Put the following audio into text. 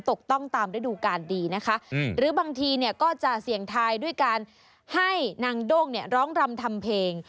ต้องตามฤดูการดีนะคะหรือบางทีเนี่ยก็จะเสี่ยงทายด้วยการให้นางโด้งเนี่ยร้องรำทำเพลง